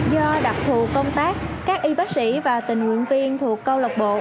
do đặc thù công tác các y bác sĩ và tình nguyện viên thuộc câu lạc bộ